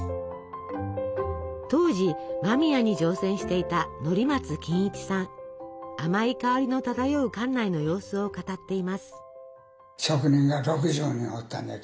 当時間宮に乗船していたあまい香りの漂う艦内の様子を語っています。